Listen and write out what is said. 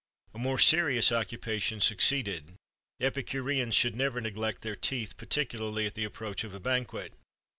[XXXV 5] A more serious occupation succeeded. Epicureans should never neglect their teeth particularly at the approach of a banquet.